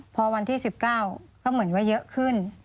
พอวันที่๑๙ก็เหมือนว่าเยอะขึ้น